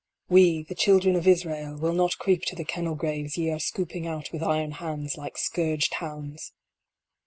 We, the Children of Israel, will not creep to the kennel graves ye are scooping out with iron hands, like scourged hounds